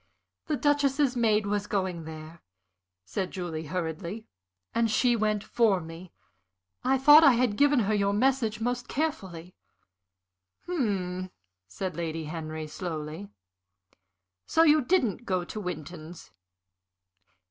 The Duchess's maid was going there," said Julie, hurriedly, "and she went for me. I thought I had given her your message most carefully." "Hm," said Lady Henry, slowly. "So you didn't go to Winton's.